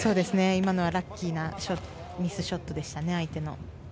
今のはラッキーなミスショットでしたね、相手の。